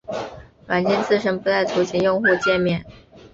软件自身不带图形用户界面。